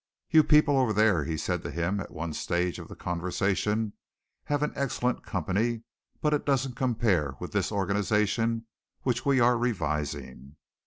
"You people over there," he said to him at one stage of the conversation, "have an excellent company, but it doesn't compare with this organization which we are revising.